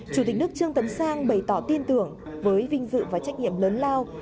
chủ tịch nước trương tấn sang bày tỏ tin tưởng với vinh dự và trách nhiệm lớn lao